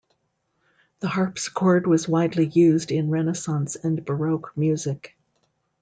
The harpsichord was widely used in Renaissance and Baroque music.